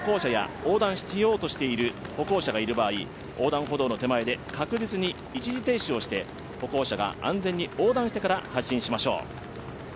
横断しようとしている歩行者がいる場合横断歩道の手前で確実に一時停止して、歩行者が安全に横断してから発進しましょう。